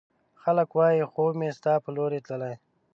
خلګ وايي، خوب مې ستا په لورې تللی